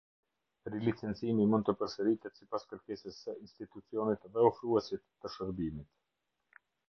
Rilicencimi mund të përsëritet sipas kërkesës së institucionit dhe ofruesit të shërbimit.